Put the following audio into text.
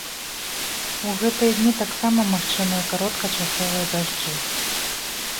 У гэтыя дні таксама магчымыя кароткачасовыя дажджы.